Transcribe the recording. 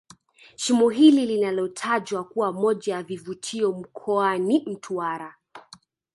Shimo hili linalotajwa kuwa moja ya vivutio mkoani Mtwara